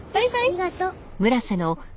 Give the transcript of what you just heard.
ありがとう。